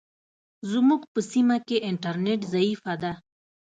زموږ په سیمه کې انټرنیټ ضعیفه ده.